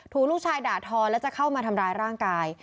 ลูกชายด่าทอแล้วจะเข้ามาทำร้ายร่างกาย